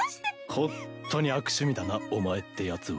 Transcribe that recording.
ほんっとに悪趣味だなお前ってやつは。